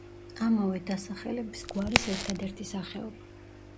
ამავე დასახელების გვარის ერთადერთი სახეობა.